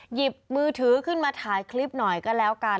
หยิบมือถือขึ้นมาถ่ายคลิปหน่อยก็แล้วกัน